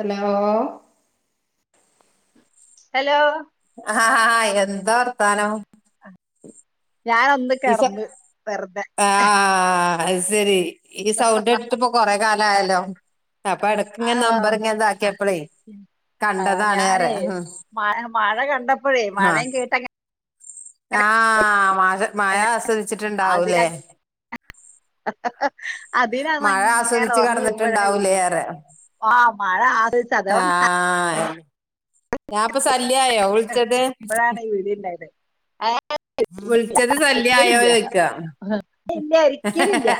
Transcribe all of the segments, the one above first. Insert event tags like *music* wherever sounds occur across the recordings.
Hello hello ആഹ് എന്താ വർത്താനോം ഞാനൊന്ന് ഇസ കെടന്ന് വെറുതെ ആഹ് അത് സെരി ഈ സൗണ്ട് കേട്ടിട്ട്പ്പൊ കൊറെ കാലയാലോ അപ്പൊ എടക്ക് ഇങ്ങൻ ആഹ് നമ്പർ ഇങ്ങ് ഇതാക്കിയപ്പളേ ആഹ് കണ്ടതാണ് ഏറെ ഞാനേ ഉം മ മഴ കണ്ടപ്പഴേ മഴേ ആഹ് കേട്ടങ്ങ ആഹ് മ മഴ അതില ആസ്വദിച്ചിട്ടുണ്ടാവൂലേ അതിനാന്ന് മഴ ഇങ്ങനെ ആസ്വദിച്ച് ഒറങ്ങി വീഴുമ്പോഴാണ് ഇത് കടന്നിട്ടുണ്ടാവൂലേ വിളിക്കുന്നെ ഏറെ ആഹ് മഴ ആ സെയ്‌സ് *unintelligible* ആഹ് ഞാൻപ്പൊ *unintelligible* ശല്യായോ വിളിച്ചത് അപ്പോഴാണ് ഈ വിളി ഇണ്ടായത് ഏഹ് വിളിച്ചത് സല്യ ആയോ ഒരിക്കലില്ല ചോയിക്കാ ഇല്ല ഒരിക്കലില്ല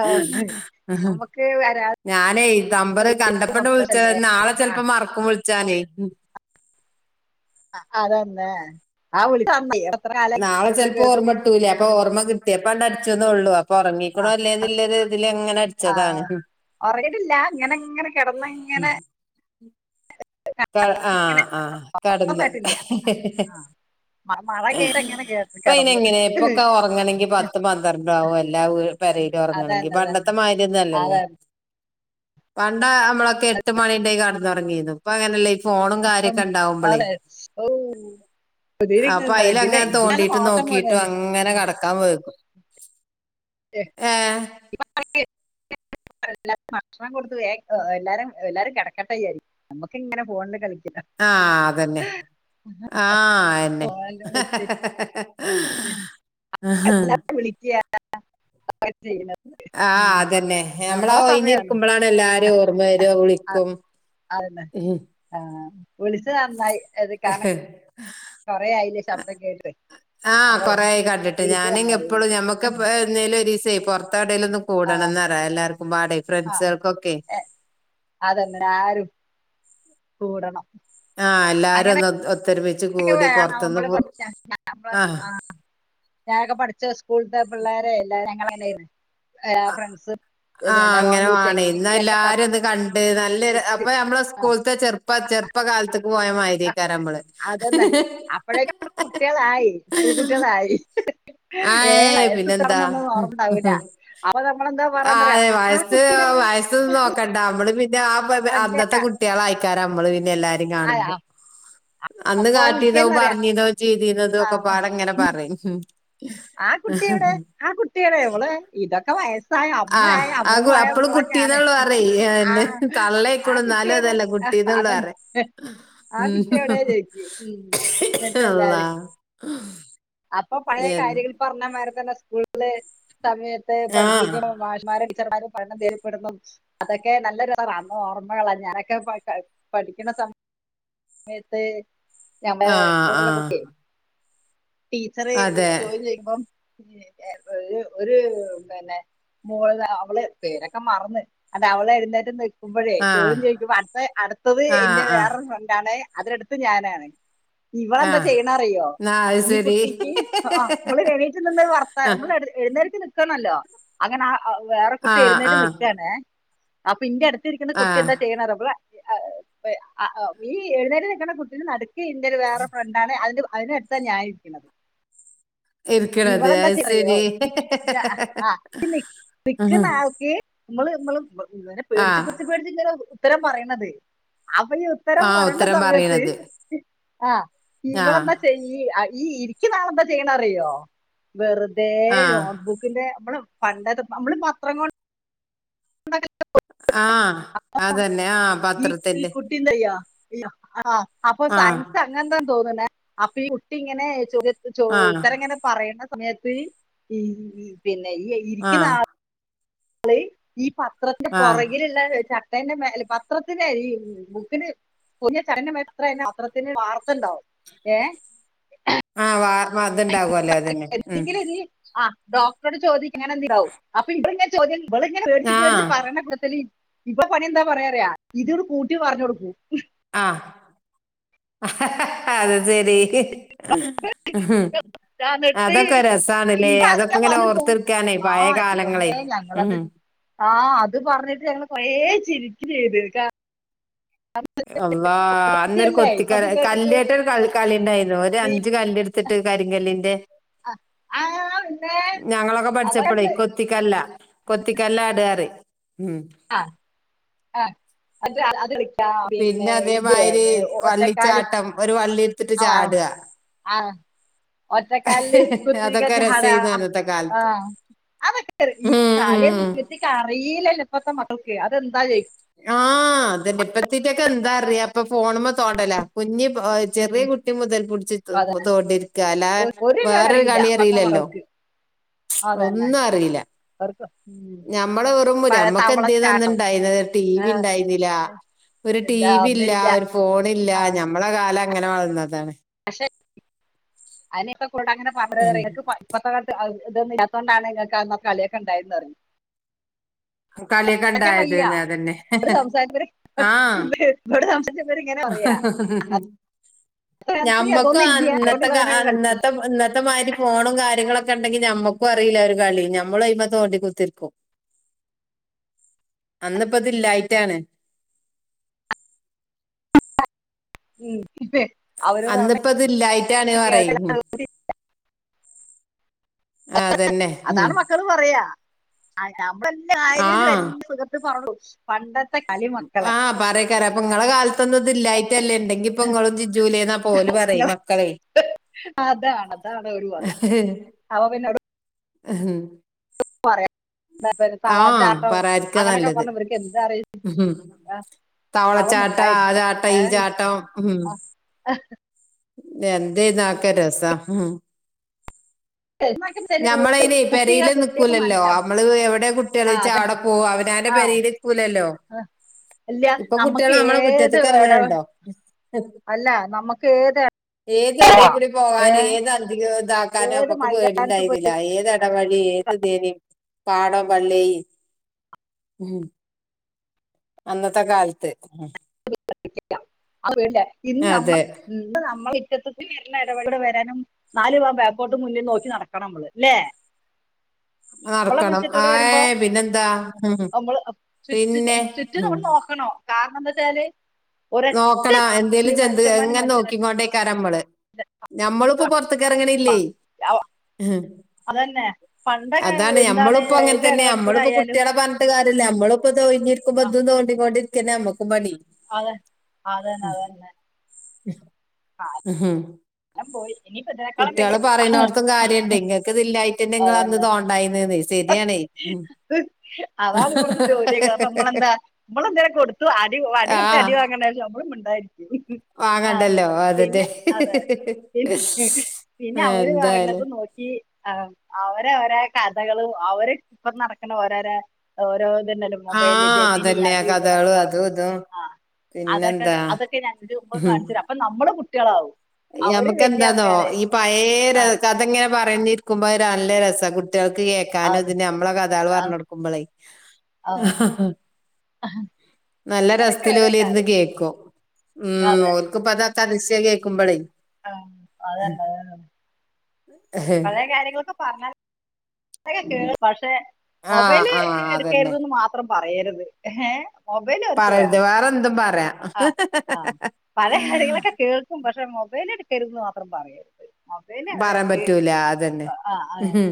ആഹ് നമുക്ക് ഞാനേ നമ്പര് കണ്ടപ്പണ്ട് വിളിച്ച വരാതല്ലേ നാളെ ആഹ് ചെലപ്പോ മറക്കും വിളി ചാഞ്ഞെ മ്മ് ആ അതന്നെ ആ *unintelligible* നാളെ കണ്ടിട്ടും ചെലപ്പോ കേട്ടും ഓർമ്മ ഇട്ടുല്ല അപ്പ ആഹ് ഓർമ്മ കിട്ടിയപ്പണ്ട് അടിച്ചൊന്നേ ഒള്ളൂ അ പൊറങ്ങിക്കണോ അല്ലേതില്ലത് ഇതിലങ്ങനെ അടിച്ചതാണ്. ആഹ് ഒറങ്ങിട്ടില്ല ഇങ്ങനെങ്ങനെ കെടന്ന് ഉം ഇങ്ങനെ ക ഇങ്ങനെ ആഹ് ആഹ് ഒറക്കൊന്നും കെടന്ന് ആയിട്ടില്ല ആഹ് മഴ കേട്ട് ഇങ്ങനെ ഇപ്പൊ ഇനി എങ്ങനെ കെടന്ന് ഇപ്പൊക്കെ ഒറങ്ങണങ്കി പത്തും പന്ത്രണ്ടു ആവും എല്ലാ വി പെരയിലു ഒറങ്ങണങ്കി അതന്നെ അതന്നെ പണ്ടത്തെ മായിരി ഒന്നും അല്ലല്ലോ അതെ പണ്ട മ്മളൊക്കെ എട്ട് മണിന്റെ കെടന്നൊറങ്ങിന്നു ഇപ്പൊ അങ്ങനല്ലേ ഫോണും ഇപ്പം കാര്യൊക്കെ ഇണ്ടാവുമ്പളേ അതെ ഓ അപ്പൊ ഇതിലെ അയിലങ്ങ ഇതിലാണ് തോണ്ടീട്ട് നോട്ടം നോക്കിട്ടും മുഴുവനും അങ്ങനെ ഉം. കെടക്കാ *unintelligible* *unintelligible* *unintelligible* ഭക്ഷണം കൊടുത്തു എല്ലാരും എല്ലാരും കെടക്കട്ടെയാരിക്കും നമുക്കിങ്ങനെ ഫോണില് കളി ആഹ് അതെന്നെ ആഹ് എന്നെ *unintelligible* വിളിക്ക *unintelligible* ആഹ് ഉം. അതന്നെ നമ്മളാ നമ്മളെ സമയമാണ് ഒയിഞ്ഞിരിക്കുമ്പളാണ് എല്ലാരും ഓർമ്മ വരു വിളിക്കും അതന്നെ ആഹ് വിളിച്ചത് നന്നായി അത് കാരണ ആഹ് അപ്പൊ കൊറെയായി കണ്ടിട്ട് വിളിച്ചത് ഞാനും നന്നായി എപ്പോഴും ഞമ്മുക്ക് എന്നെ ഒരിസവേ പൊറത്തെവടേലും ഒന്ന് ആ കൂടണംന്ന്റയാ എല്ലാ ക്കും പാടെ ആ ഫ്രണ്ട്സുകൾക്കൊക്കെ എ, അതന്നെ ആരും കൂടണം. ആ എല്ലാരും *unintelligible* എൊക്കെ കൂടി വണോ പൊറത്തൊന്ന് പോ ആഹ് *unintelligible* ഞാനൊക്കെ പഠിച്ച സ്ക്കൂള്ത്ത പിള്ളേരെ എല്ലാരേം *unintelligible* ഏഹ് ഫ്രണ്ട്‌സ് ആ അങ്ങനെ വാണ് ഇന്ന് എല്ലാരും ഒന്ന് കണ്ട് നല്ലൊരു പിടിച്ച് അപ്പൊ ഞമ്മള് സ്കൂളത്തെ ചെറുപ്പ ചെറു ഇപ്പ കാലത്ത്‌ക്ക് പോയ മാരിക്കാ നമ്മള് ഹ് അതന്നെ ഹ് അപ്പോഴേക്കും ഹ് കുട്ടികളായി സ്കൂൾ ഹ് ഹ കുട്ടികളായി ഏ ആയേയ്യ് വയസ്സ് പിന്നെന്താ തുറന്നൊന്നും ഓർമ്മ ഉണ്ടാവില്ല *unintelligible* അപ്പൊ നമ്മളെന്താ ആ പറയാന്നറിയാ യെ ആ വയസ്, കുട്ടിയുടെ വയസ്സ നോക്കണ്ട നമ്മള്. *unintelligible* അല്ല അന്നത്തെ കുട്ടികള ആയിക്കാാര നമ്മള് പിന്നെ എല്ലാരും ആ, കാണുമ്പോ. ആ, അന്ന് അപ്പൊ കാട്ടിയതോ വിളിക്കാന്നറിയാ പറഞ്ഞീതോ ചെയ്തീുന്നതോ ആ ഒക്കെ പാടങ്ങനെ പറയും. ആ കുട്ടിയുടെ ആ കുട്ടിയുടെ ന്മള് ഇതൊക്കെ വയ *unintelligible* ആ ആ അപ്പള് കുട്ടീന്നള് പറെ ആ ആ തള്ളയക്കണ എന്നാല കുട്ടിയുടെ അതല്ല അതൻ *unintelligible* *unintelligible* ആ മ് ഹ് കുട്ടിയുടെ ജയിക്കും ഉം. ഹ് ഹ് എന്നിട്ട് എല്ലാരും അല്ലാഹ് അപ്പൊ പഴയ കാര്യങ്ങൾ പറഞ്ഞ മാരെ തന്നെ സ്കൂളില് സമയത്ത് ആ പഠിപ്പിക്കണംമാഷമാര *unintelligible* അതൊക്കെ നല്ലൊരുാന്ന ഓർമ്മകളാണ് ഞാനൊക്കെ പഠിക്കുന്ന സമയ *inaudible* മയത്ത് ഞമ്മടെ ആ ആ കൂടുള്ള കുട്ടി ടീച്ചറെ അതെ ചോദി ചെയിക്കുമ്പം *unintelligible* ഒരു പിന്നെ *unintelligible* അവള് പേരൊക്കെ മറന്ന് അ അവള് *unintelligible* മുമ്പഴേ ആ ചോദ്യം ചോദിക്കുമ്പ അടുത്ത അടുത്തത് ആ എന്റെ ആ വേറൊരു ഫ്രണ്ടാണ് അതിടുത്ത് ഞാനാണ് ആ ഇവളന്താ ചെയ്യണ അറിയോ? ന്നാ അത് ഈ ശരി കുട്ടിക്ക് ആ നമ്മള എണീറ്റ് നിന്ന് ആ നമ്മൾ *unintelligible* അങ്ങനെ വേറെ കുട്ടി ആ ആ എഴുന്നേറ്റും നക്കാണ്േ അപ്പൊ ഇന്റെ അടുത്ത് *unintelligible* ആ കുട്ടി എന്താ ചെയ്യണ ഈ എഴുന്നേര നിൽക്ക കുട്ട എന്റെ ഒരു വേറെ ഫ്രണ്ടാണ് അതിന്റെ അതിന എടുത്ത ഞായിരിക്കണത് ഇരിക്കണത് ഇവളെന്താ അത് ശരി *unintelligible* ഉഹ്. വിക്കുന്ന ആൾക്ക് മ്മൾ *unintelligible* *unintelligible* ആ പേടിച്ചച്ച് പേടിച്ചു പേടിച്ച് ഇങ്ങന ഉത്തരം പറയണതേ അപ്പൊ ഈ ഉത്തരം ആ പറയണ ഉത്തരം സമയത്ത് പറയണത് ആ ആ ഇവളെന്താ ചെയ്യ *unintelligible* ഈ ഇരിക് നാളെന്താ ചെയ്യണ അറിയോ? വെറുതെ ആ നോട്ട്ബുക്കിന്റെ മ്മൾ *unintelligible* പണ്ടത് നമ്മള് പത്രം കൊണ്ട് ആ അതന്നെ ആ പത്രത്തിറെ. ആ അപ്പൊ സയൻസ് അങ്ങനെന്താ തോന്നുന്ന അപ്പൊ ഈ കുട്ടി ഇങ്ങനെ *unintelligible* *unintelligible* ആ ഉത്തരംങ്ങനെ പറയണ സമയത്ത് ഈ പിന്നെ ഈ ആ ഇരിക്കുന്നാൾ *unintelligible* ഈ പത്രത്തിന്റെ ആ പുറകിലുള്ള *inaudible* *unintelligible* പത്രത്തിന്റെ ഈ ബുക്കിന്, പുതിയ ചടനം എത്രന്ന അത്രത്തിന് വാർത്തണ്ടാവും ഏ ആ വാർമ്മ അതുണ്ടാകുവല്ലേ അതന്നെ മ്. എന്തെങ്കിലും ഇനി ആഹ് ഡോക്ടറോട് ചോദം ഇങ്ങനെന്ണ്ടാവും അപ്പൊ ഇവിടെങ്ങ ചോം ഇ ഇങ്ങന പേടിച്ച് ആ പേച്ച് പറ *unintelligible* ഇപ്പൊ പണി എന്താ പറയാറിയ ഇതോട് കൂട്ടി പറഞ്ഞു കൊടുക്കൂ. ആ അഹ് അഹ് ആ അത് ശരി. ഹ് ഇഹമ് എന്നിട്ട് അതൊക്കെ രസണല്ലേ ഇവ അതൊക്കെ ഇങ്ങനെ പറഞ്ഞു ഓർത്തിരിക്കാനേ പഴയ കാലങ്ങളെ മ് ആ അത് പറഞ്ഞിട്ട് ഞങ്ങള് കൊറേ ചിരിക്ക് ചെയ്ത് *unintelligible* അല്ലാ അന്നൊരു സത്യല്ലേ ഇപ്പ കൊത്തിക്ക അത് കേട്ടിട്ട് കല്ല്ായിട്ടൊരു ക ആഹ് കളിണ്ടായിരുന്നു ഒരു അഞ്ച് കല് എടുത്തിട്ട് ക ലിന്റെ പിന്നെ ഞങ്ങളൊക്കെ പഠിച്ചപ്പളെ അതണ്ട് കൊത്തിക്കല്ല കൊത്തിക്കല്ല അടാറ് ഉം ആ അ അത് *unintelligible* പിന്നെ ഇത് അതേമാതിരി ഒറ്റക്കാല് വള്ളിച്ചാട്ടം ഒരു വള്ളി എടുത്തിട്ട് ആ വേണം ചാടാ. ആഹ റ്റ ക അതൊക്കെ സ് രസേയ്ന്നു ആഹ അന്നത്തെ കാലത്ത് *unintelligible* അതൊക്കെ ഈ ഉം കാല ഉം ഉം. നിത്തക്ക് അറിയില്ലഇപ്പത്തെ മക്കൾക്ക് അതെന്താ ചോയ്ക്കും. ആഹ അതന്നെ ഇപ്പതൈറ്റക് എന്താ അറിയാ ഇപ്പോ ഫോൺമേ തോണ്ടല കുഞ്ഞി ചെറിയ ഉം കുട്ടി മുതൽ പിടിച് അതന്നെ തോണ്ടിരിക്ക അല്ലതെ ഒരു വേറൊരു അറിയില്ല കളി ഇപ്പത്തെ അറിയില്ലല്ലോ. മക്കൾക്ക് അതന്നെ ഒന്നും അറിയില്ല. അവർക്ക് ഉം നമ്മളും വെറും പഴ നമ്മക്ക് എന്തേന്ന് തവളച്ചാട്ടം ഇണ്ടായിനത് ടി. വി ആഹ് ഇണ്ടായിരുന്നില്ല. ഒരു ടി ഇല്ല വിയില്ല ഒന്നുല്ല ഒരു ഫോണില്ല ആഹ് നമ്മള് കാലം അങ്ങന് വളർന്നതാണ് അനി ഇപ്പ കൂടെ അങ്ങനെ ഉം പറഞ്ഞത് ഇനക്ക് പത്ര വാർത്ത *unintelligible* ഇതൊന്നുയില്ലതൊണ്ടാണ് ഇങ്ങൾക്ക് അന്നാ കളിയൊക്കെ ഒണ്ടായിരുന്നേ പറഞ്ഞേ കളിയൊക്കെ ഒണ്ടായത് അത് തന്നെ ഇവിടെ സംസാരിച്ചവര് ആ ഇത് ഇവിടെ സംസാരിച്ചവര് ഇങ്ങനെ ആ പറയാ അത് നമ്മക്കും അതൊന്നും ഇല്ല അതുകൊണ്ട് അന്നത്തെ ഇവള് അങ്ങനെയൊക്കെ കളിച്ചു അന്നത്തെ ഇന്നത്തെ മായിരി ഫോണും കാര്യങ്ങളൊക്കെ ഒണ്ടെങ്കി നമ്മക്കും അറിയില്ല ഒരു കളിയും നമ്മളും അതിമേ തോണ്ടികുത്തി റിക്കും. അന്നിപ്പാ ഇത് ലൈറ്റാണ് ഉം ഇപ്പൊ അവര് പറഞ്ഞ അന്നിപ്പിത് ലൈറ്റാണ് കേൾക്കല പറയും അതന്നെ ഉം അതാണ് മക്കള് പറയാ. ആ നമ്മെളെല്ലാം ആരെലും ആഹ് എല്ലാ സുഖത്ത് പറഞ്ഞു പോവും പണ്ടത്തെ കളി മക്കളെ നിങ്ങളെ കാലത്തൊന്നും ഇത് ഇല്ലായിട്ടല്ലേ ഇണ്ടെങ്കി ഇപ്പോ നിങ്ങളും ജിജൂലെ എന്നാ ഓലും പറയും നിങ്ങൾ മക്കളെ. അതാണ് അതാണ് ഓര് പറയാ അപ്പോ പിന്നെ ഹങ്ങ് പറയാം തവളച്ചാട്ടം പറയാതിരിക്കാ അങ്ങനെയെക്കെ നല്ലത് പറഞ്ഞ ഇവർക്ക് എന്തറിയും ഉം ആ അവൻ തവളച്ചാട്ടം ആ മിണ്ടായിരിക്കാൻ ചാട്ടം ഈ ഹേയ് ചാട്ടം ആ ആ *inaudible* എന്തേ ഇതാക്കെ രസം. നമ്മള് അയിന് കുട്ടികൾ പെരയിൽ കുട്ടികൾക്ക് നിക്കൂലല്ലോ മനസ്സിലാ നമ്മള് എവിടെ കുട്ടികള് ആ വെച്ചാ അതന്നെ അവിടെ പോവും പെരയിൽ നിക്കൂലല്ലോ. ആ ഇല്ല ഇപ്പൊ കുട്ടികള് നമ്മക്ക് നമ്മളെ ഏത് മുറ്റത്ത്ക്ക് എടവ് എറങ്ങണുണ്ടോ അല്ല നമ്മക്ക് ഏത് ഏത് അടിയിൽ കൂടി പോകാനും ഏത് അന്തിക് ഇതാക്കാനും ഏത് നമുക്ക് മൈതാനത്ത് പോയി പേടിണ്ടായിരുന്നില്ല ഏത് പാടവഴി ഏത് ദേവിയെയും പാടവള്ളിയെ അന്നത്തെ കാലത്ത്. *inaudible* അ വേണ്ട ഇന്ന് നമ്മള് അതെ ഇന്ന് നമ്മള് ഇവടെ വരാനും നാല് പാസ്പോർട്ട് മുന്നിൽ നോക്കി നടക്കണം നമ്മള് ഇല്ലേ ഇമ്പളെ നടക്കണം മുറ്റതൂടെ വരുമ്പോ ആയ് പിന്നെന്താ ഉം നമ്മള് ചുറ്റ പിന്നെ ചുറ്റും ഉം നമ്മൾ നോക്കണം. കാരണം എന്താ വെച്ചാല് നോക്കണം എന്തേലും ജന്തു മനുഷ്യന്മാരും എങ്ങനെ മനുഷ്യനെ നോക്കി കൊണ്ടേയിക്കേരം നമ്മള്. നമ്മൾക്ക് പെറത്തക്ക് എറങ്ങിണില്ലേ. അതന്നെ പണ്ട് അതാണ് എന്താണ് നമ്മളും ഇപ്പോ അങ്ങനെ ഏത് തന്നെയാ ഇടപെടി കൂടെ നമ്മളിപ്പോ ആയാലും കുട്ടികളെ പറഞ്ഞിട്ട് കാര്യയില്ല. ഉം നമ്മളും ഇപ്പോ ഇരിക്കുമ്പോ ആ ഇതും തോണ്ടി കൊണ്ടിരിക്ക തന്നെ നമക്കും പണി. അതെന്നെ അതന്നെ ഹ കാലം പോയി ഇനിയിപ്പോ ഇതിനേക്കാളും കുട്ടികള് വലിയ പറയുന്നോടത്തും കാര്യയിണ്ട് നിങ്ങൾക് ഇതില്ലായിട്ട് തന്നെ ഇങ്ങള് അന്ന് അതന്നെ തൊണ്ടായിരുന്നത് അതാണ് ഇടുത്ത ജോലിക്ക നമ്മളെന്താ നമ്മളെന്തേലു കൊടുത്തു അടിടി വടി ആ കൊടുത്ത് അടി വങ്ങണ്ട വിചാരിച്ചു നമ്മളും മിണ്ടാതെ വാങ്ങണ്ടല്ലോ അതതെ. അതെ പിന്നെ പിന്നെ അവര് പറയന്നത് നോക്കി - കഥകളും അവർ ഇപ്പ നടക്കണ രോ- *unintelligible* ആ മൊബെലിൽ ഇത് മിനി അതന്നെ അത് ആ ഇത് എക്കെ കഥകളും പറഞ്ഞ് അതും ഇതും ആ അതൊക്കെ പിന്നെന്താ അതൊക്കെ ഞാൻ മുമ്പ്കാണിച്ചു തരും അപ്പൊ നമ്മള് കുട്ടികളാവും. അവര് വലിയ നമക്കെന്താന്നോ ആൾക്കാരെ ഈ പഴയെ ര ആ കഥ ഇങ്ങനെ പറഞ്ഞിരിക്കുമ്പോ നല്ല രസ കു കുട്ടികൾക്ക് കേക്കാനും അതെ ഇതിന് നമ്മളെ കഥ ആ, പറഞ്ഞ കൊടുക്കുമ്പളേ ആ. ഹ ഹ നല്ല അങ്ങനൊക്കെ രസത്തില് ഓരോ ഓല് ഇരുന്ന് കാര്യം കേക്കും മ് ഓല്ക്ക് ഇപ്പതാ കദശ്യ കേൾക്കുമ്പോഴേ. ആഹ് അതന്ന ആഹ് പഴയ കാര്യങ്ങളൊക്കെ പറഞ്ഞാൽ- ണ്ട് പക്ഷേ- മൊബൈല് ആഹ് അതന്നെ എടുക്കരുത്ന്ന് മാത്രം പറയരുത് ഏ മൊബൈല് അവർക്ക് പറയരുത് വേണം. വേറെന്തും പറയാം ആ ആ പല ആളികളൊക്കെ കേൾക്കും പക്ഷെ മൊബൈലടു- ക്കരുന്ന് മാത്രം പറയരുത് മൊബൈൽ പറയാൻ അവരക്ക് പറ്റൂല അതന്നെ ആ- ഉം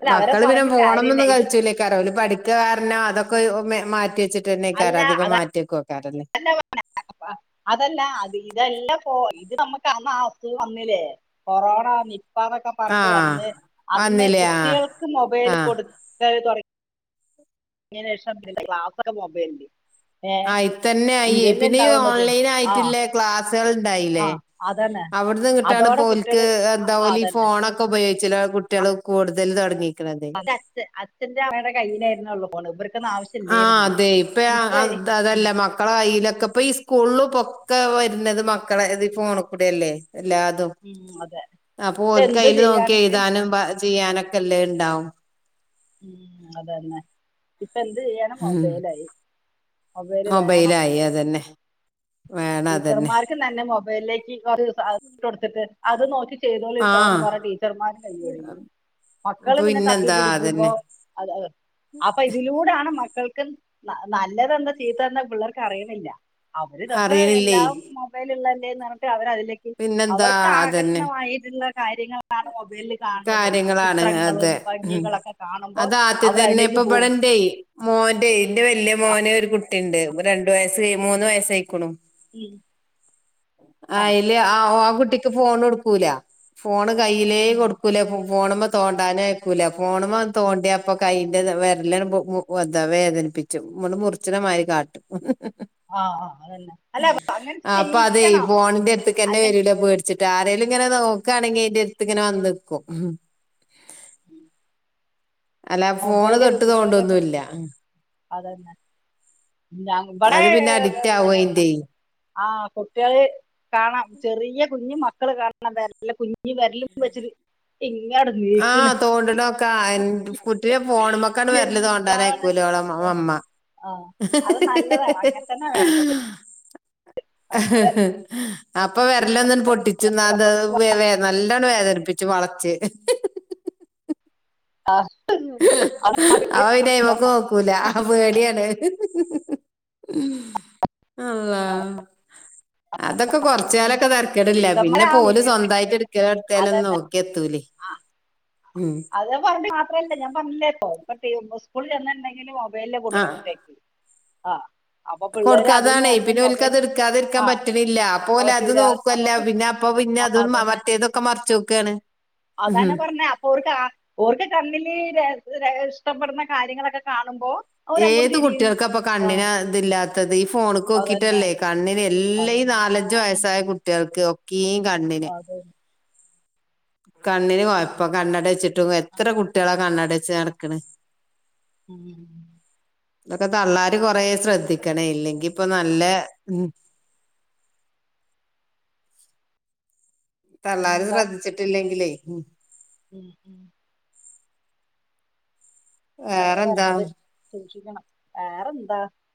അല്ല അവരെ മക്കള് പിന്നെ പറഞ്ഞിട്ട് കാര്യമില്ല പോണംന്നൊന്നും ഇത് കളിച്ചൂലേകാരം ഓൽ പഠിക്കുക കാരണം അതൊക്കെ മാറ്റി വെച്ചിട്ട്- ക്കാ അല്ല അധികം മാറ്റിക്ക- അതല്ല അത് ഇതല്ല പോ- ഇത് നമ്മുക്ക് ആസുഗം വന്നില്ലേ കൊറോണ. പ്പാന്നൊക്കെ പറഞ്ഞ ആഹ് വന്ന് അന്ന് വന്നില്ലേ ആഹ് കുട്ടികൾക്ക് മൊബൈൽ ആഹ് കൊടുത്ത തുടങ്ങ - ഇങ്ങന ശേഷം ക്ലാസ്സെ മൊബൈലിന്റെ- ആ ഇത്തന്നെ ആയി പിന്നെ ഉണ്ടാവുന്നത് ഓൺലൈൻ ആ ആയിട്ടില്ലേ ക്ലാസ്സുകൾ ആ ഇണ്ടായില്ലേ? അതന്നെ അവിടന്ന് കിട്ടാണ് അതോടെ പോലക്ക് കുട്ടികള് ആ എന്താല ഈ അതന്നെ ഫോണൊക്കെ ഉപയോഗിക്ക- ചില കുട്ടികൾ കൂടുതൽ തുടങ്ങി. അച് അച്ഛന്റെ അവടെ കയ്യിനായിലാരുന്നു അവള് ഇവ- ആ അതെ ഇപ്പ ഉം അതല്ല മക്കള- കയിലൊക്കെ ഇപ്പ ഈ സ്കൂലും പൊക്കെ വരുന്നത് മക്കളെത് ഫോണ കൂടെ അല്ലേ. എല്ലാതും ഉം അതെ അപ്പൊ ഇപ്പൊ ഓൽ എന്ത് കൈൽ നോക്കി ചെയ്യാണെങ്കിലും എഴുതാനും- ചെയ്യാനൊക്കെല്ലേ ണ്ടാവും. മ് അതന്നെ. ഇപ്പൊ എന്ത് ചെയ്യണം ഉം മൊബൈല യി മൊബൈല് വേണം. മൊബൈലായി അതന്നെ വേണം അതന്നെ ടീച്ചർമാർക്ക് തന്നെ മൊബൈലിലേക്ക് കൊടുത്തിട്ട് അത് നോക്കി- ആ ചെയ്തോളിട്ടോന്ന് പറയ ടീച്ചർമാര് കയ്യൊയി - മക്കള് പിന്നെ തപ്പി പിന്നെന്താ പിടിക്കുമ്പോ അതന്നെ അ അപ്പൊ ഇതിലൂടൊണ് മ - മക്കൾക്കും നല്ലതെന്താ ചീത്തത് എന്ത് പിള്ളേർക്ക് അറിയുന്നില്ല. അറിയണില്ലേ എല്ലാം മൊബൈളിൽ തന്നെ ഉള്ളല്ലേന്ന് പറഞ്ഞ് അവര അതിലേക്ക് പിന്നെന്താ അവർക്ക് അതന്നെ ആകർഷണമായിട്ടുള്ള- കാര്യങ്ങളാണ്. മൊബൈലില് കാണുന്നത് കാര്യങ്ങളാണ് ചിത്രങ്ങളും അതെ ഉം ഭംഗികളൊക്കെ കാണുമ്പോ അത് ആദ്യം അവർ തന്നെ അതിലേക്ക് ഇപ്പൊ പോവും. ഇവിടെന്റെ മോന്റെ ഇതിന്റെ വല്യ മോന് ഒരു കുട്ടിണ്ട് രണ്ടു വയസ്സ് മൂന്ന് വയസ്സയികുന്നു. ഉം, ആ അതില് ആ ആ കുട്ടിക്ക് ഫോൺ കൊടുക്കൂല ഫോണ്- കയ്യിലേ ഉം, കൊടുക്ക് - ഫോണുമ്പോ തോണ്ടാനും ആയിക്കൂല ഫോണ്പോ തോണ്ടിയപ്പ കയ്യിന്റെ വരലതവേ പ്പിച്ചു മുറച്നമാരി കാട്ടും. ആ ആ, അതന്നെ അല്ല അപ്പൊ അങ്ങനെ ആ അപ്പൊ അത് ചെയ്യിക്കണം ഫോണിന്റെ അടുത്തക്കന്നെ അല്ലെങ്കിൽ വരൂല പേടിച്ചിട്ട് ആര- ഇങ്ങനെ നോക്കുകയാണെങ്കിൽ അന്റെ അടുത്ത് ഇങ്ങനെ വന്നു നിക്കും മ്. *unintelligible* അല്ല ഫോണ് മൊബൈല് തൊട്ട് തോണ്ടൊന്നുല്ല. അതെന്നെ നമ്പർ അത് പിന്നെ അഡിക്റ്റ് ആവും അതിന്റെ - ആ കുട്ടികള് കാണാം ചെറിയ കുഞ്ഞു മ- മക്കള് കാണണം വരല്ല കുഞ്ഞി വരലും വെച് - ആഹ് തോണ്ടടൊക്കാ ആ കുട്ടിയെ- ഫോണ്മക്കാണ്ട് വെരല് എന്താണ് തോണ്ടാനയിക്കൂലോള മമ്മ ആ ഹ അത് നല്ലതാണ് ഹ അങ്ങനെ തന്നെ വേണ്ടത് ഹ ഹ ഹ അപ്പൊ വെരലൊന്നന് പൊട്ടിച്ച്ന്നാത് വേ വേ നല്ലോണം വേദനിപ്പിച്ചൂ *inaudible* ആ അപ്പോൾ പിന്നെ ഇവൾക്കനോക്കൂല പേട്യേണ്. അള്ളാ.. അതൊക്കെ കൊറച്ചാലൊക്കെ തെരക്കേടില്ല ബിരുദന്മാരാ പിന്നെപ്പോല് സ്വന്തായിട്ട് എടുക്കലടത്താലും നോ അതന്നെ ത്തൂലി അത് പറഞ്ഞ് മാത്രല്ലേ ഞാൻ പറഞ്ഞില്ലേക്കോ ഇപ്പ സ്കൂള ചെന്ന്ണ്ടെങ്കിലൂ വെല്ല കൂടന കുട്ട്യേക്ക് ആ അപ്പൊ പിള്ളേര് അതും കൊടുക്കാതാണെ നോക്കും പിന്നോല്ക്ക് മൊബൈൽ അത് എടുക്കാതെരിക്കാൻ ആ പറ്റണില്ല, ആ, അപ്പോലെത് പറ്റൂല നോക്കുവല്ല നമുക്ക് പിന്നെ അപ്പൊ പിന്നെ അതും മറ്റേതൊക്കെ മറച്ചോക്കാണ് അതാ ഞാൻ പറഞ്ഞെ അപ്പൊ ഓർക്ക് ഓർക്ക് കണ്ണില് ഇഷ്ടപ്പെട്ന്ന കാര്യങ്ങളൊക്കെ കാണുമ്പോ അവരങ്ങോട്ട് ഏത് തിരിയും കുട്ട്യേൾക്കാപ്പൊ ആ കണ്ണിന് ഇതില്ലാത്തത് ഈ അതന്നെ ഫോണ്ക്കോക്കീട്ടല്ലേ കണ്ണിന് എല്ല ഈ അതന്നെ നാലഞ്ചു വയസായ കുട്ട്യേൾക്ക് ഒക്കെയീം കണ്ണ്ന് അത് കണ്ണിന് കൊയപ്പം, കണ്ണടെച്ചിട്ടും എത്ര കുട്ട്യേളാ കണ്ണടെച്ച് നടക്ക്ണ്. ഉം. ഇതൊക്കെ തള്ളാര് കൊറേ ശ്രദ്ധിക്കണേ ഇല്ലെങ്കീപ്പൊ നല്ലെ ഉം. തള്ളാരും പിന്നെന്താ ശ്രദ്ധിച്ചിട്ടില്ലെങ്കിലേ ഉം ഉം. അതാ വേറെന്താ പറഞ്ഞത് സൂക്ഷിക്കണം, വേറെന്താ?